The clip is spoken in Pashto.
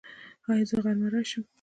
ایا زه غرمه راشم؟